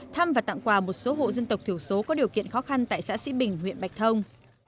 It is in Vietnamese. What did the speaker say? thăm và tặng quà một số hộ dân tộc thiểu số có điều kiện khó khăn tại xã sĩ bình huyện bạch thông